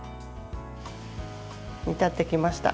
煮立ってきました。